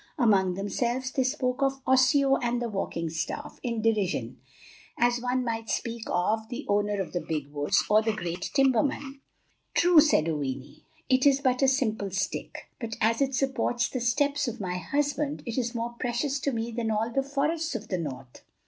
Among themselves they spoke of "Osseo of the walking staff," in derision, as one might speak of "the owner of the big woods," or "the great timberman." "True," said Oweenee, "it is but a simple stick; but as it supports the steps of my husband, it is more precious to me than all the forests of the north."